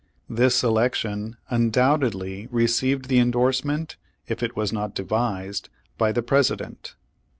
This election undoubtedly received the endorse ment if it v/as not devised by the President.